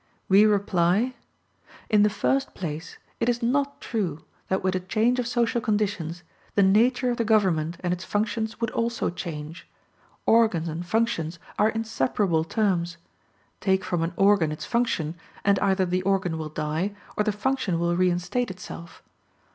We reply: In the first place, it is not true that with a change of social conditions, the nature of the government and its functions would also change. Organs and functions are inseparable terms. Take from an organ its function, and either the organ will die, or the function will reinstate itself.